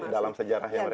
dalam sejarah ya mereka